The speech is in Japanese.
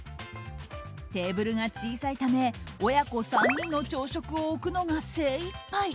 テーブルが小さいため親子３人の朝食を置くのが精いっぱい。